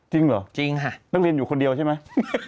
จริงเหรอจริงค่ะนักเรียนอยู่คนเดียวใช่ไหม